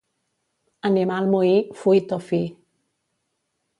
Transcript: Animal moí, fuit o fi.